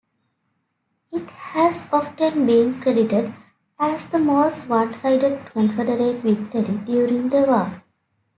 It has often been credited as the most one-sided Confederate victory during the War.